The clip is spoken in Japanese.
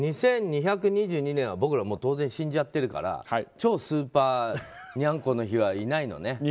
２２２２年は僕ら当然死んじゃってるから超スーパーにゃんこの日はいないのね。